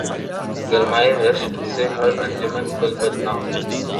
گرمئی رشک سے ہر انجمن گل بدناں